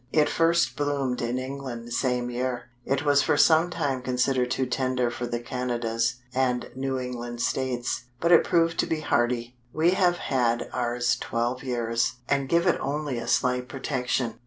It first bloomed in England same year. It was for sometime considered too tender for the Canadas and New England states, but it proved to be hardy. We have had ours twelve years, and give it only a slight protection.